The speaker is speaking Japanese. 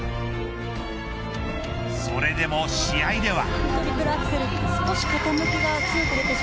それでも試合では。